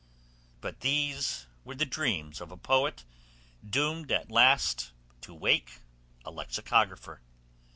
But these were the dreams of a poet doomed at last to wake a lexicographer.